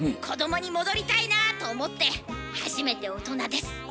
子どもに戻りたいなあと思って初めて大人です。